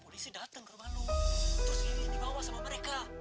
polisi datang ke rumah lu terus dibawa sama mereka